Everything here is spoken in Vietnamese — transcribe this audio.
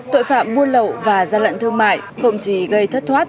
tội phạm buôn lậu và gian lận thương mại không chỉ gây thất thoát